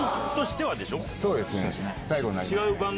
そうですね。